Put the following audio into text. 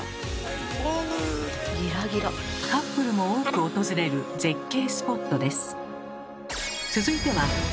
カップルも多く訪れる絶景スポットです。